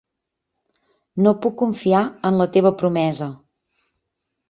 No puc confiar en la teva promesa.